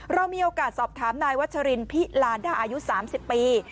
เรามีโอกาสสอบถามนายวัชรินพิลาดาอายุ๓๐ปี